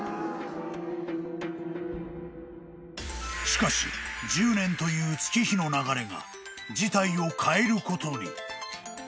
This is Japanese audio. ［しかし１０年という月日の流れが事態を変えることに］